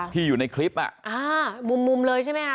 อยู่ในคลิปอ่ะอ่ามุมเลยใช่ไหมคะ